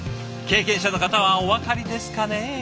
経験者の方はお分かりですかね？